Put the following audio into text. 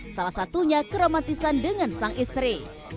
salah satunya keramantisan dengan sang istri